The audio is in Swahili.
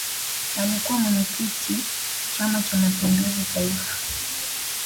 alikuwa mwenyekiti chama cha mapinduzi taifa